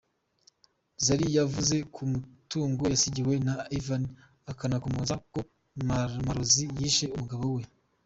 Zari yavuze ku mitungo yasigiwe na Ivan anakomoza ku marozi yishe umugabo we.